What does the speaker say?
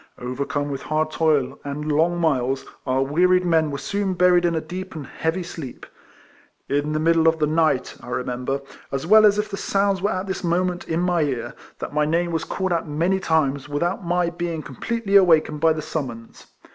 Overcome with hard toil, and long miles, our wearied men were soon buried in a deep and heavy sleep. In the middle of the night I remember, as well as if the sounds were at this moment in my ear, that my name was called out many times without my being completely awakened by the summons.